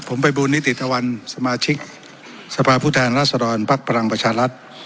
ผมไปบูรณ์นิติธวรรณสมาชิกสภาพผู้แทนรัฐสรรค์ปรักษ์พลังประชาลรัฐ